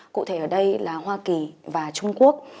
cụ thể ở đây là hoa kỳ và trung quốc